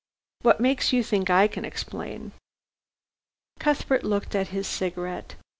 "What makes you think I can explain?" Cuthbert looked at his cigarette.